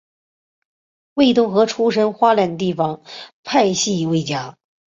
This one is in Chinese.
魏东河出身花莲地方派系魏家。